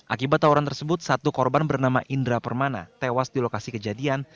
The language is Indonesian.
akibat tawuran tersebut satu korban bernama indra permana tewas di lokasi kejadian